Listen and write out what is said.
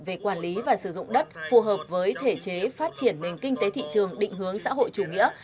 về quản lý và sử dụng đất phù hợp với thể chế phát triển nền kinh tế thị trường định hướng xã hội chủ nghĩa